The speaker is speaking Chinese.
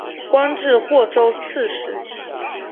官至霍州刺史。